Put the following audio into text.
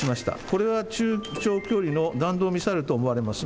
これは中長距離の弾道ミサイルと思われます。